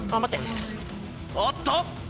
おっと！